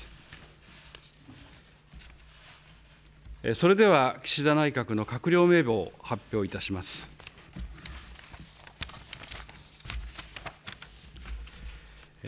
それでは岸田内閣の閣僚名簿を発表いたします。